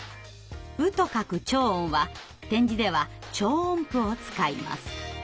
「う」と書く長音は点字では長音符を使います。